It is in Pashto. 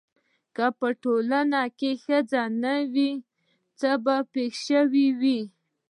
که په ټولنه کې ښځه نه وای څه به پېښ شوي واي؟